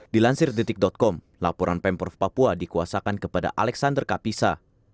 dilansir detik com laporan pemprov papua dikuasakan kepada alexander kapisa